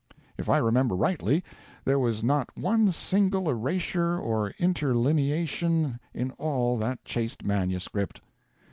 If I remember rightly, there was not one single erasure or interlineation in all that chaste manuscript.